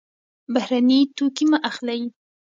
بهرني توکي مه اخلئ.